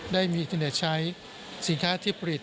ได้มีทั้งแต่ใช้สินค้าที่ผลิต